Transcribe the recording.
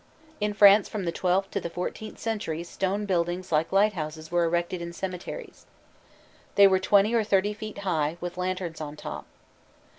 In France from the twelfth to the fourteenth century stone buildings like lighthouses were erected in cemeteries. They were twenty or thirty feet high, with lanterns on top.